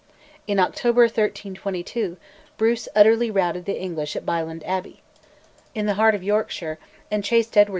In October 1322 Bruce utterly routed the English at Byland Abbey, in the heart of Yorkshire, and chased Edward II.